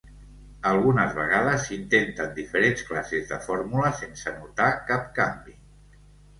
Algunes vegades, s'intenten diferents classes de fórmula sense notar cap canvi.